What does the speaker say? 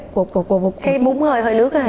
cái bún hơi hơi nước này